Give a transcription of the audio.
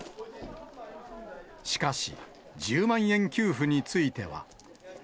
しかし、１０万円給付については。